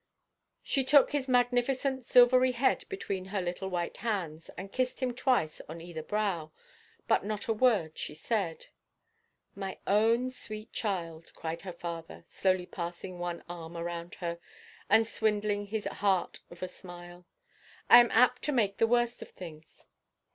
She took his magnificent silvery head between her little white hands, and kissed him twice on either brow, but not a word she said. "My own sweet child," cried her father, slowly passing one arm around her, and swindling his heart of a smile; "I am apt to make the worst of things.